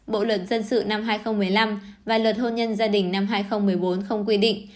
bộ luật dân sự năm hai nghìn một mươi năm và luật hôn nhân gia đình năm hai nghìn một mươi bốn không quy định